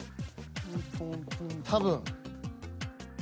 多分。